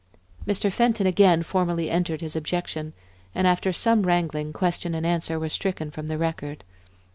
Mr. Fenton again formally entered his objection, and after some wrangling, question and answer were stricken from the record.